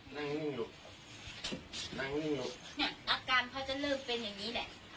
นิ่งอยู่นั่งนิ่งอยู่เนี่ยอาการเขาจะเลิกเป็นอย่างงี้แหละ